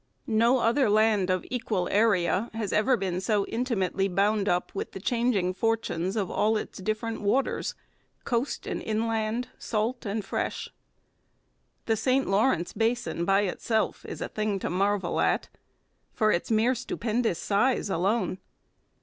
No other land of equal area has ever been so intimately bound up with the changing fortunes of all its different waters, coast and inland, salt and fresh. The St Lawrence basin by itself is a thing to marvel at, for its mere stupendous size alone.